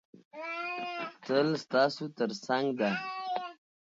تل ستاسو تر څنګ ده.